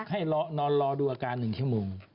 ให้นอนรอดูอาการ๑ชั่วโมง